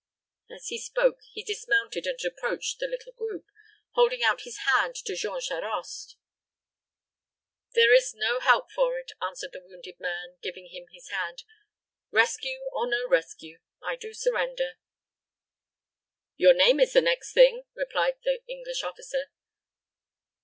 As he spoke, he dismounted and approached the little group, holding out his hand to Jean Charost. "There is no help for it," answered the wounded man, giving him his hand. "Rescue or no rescue, I do surrender." "Your name is the next thing," replied the English officer.